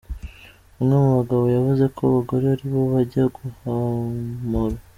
Umwe mu bagabo yavuze ko abagore aribo bajya guhamura.